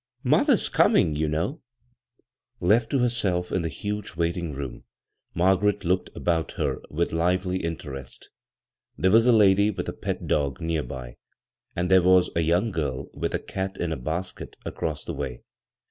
" Mother's coming, you know 1 "' Left to herself in the huge waiting room Margaret looked about hex with lively in terest There was a lady with a pet dog near by, and there was a young giri with a cat in a basket across the way.